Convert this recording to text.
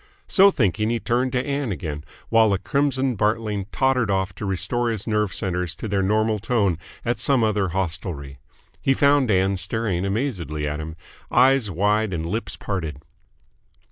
So thinking, he turned to Ann again, while the crimson Bartling tottered off to restore his nerve centres to their normal tone at some other hostelry. He found Ann staring amazedly at him, eyes wide and lips parted.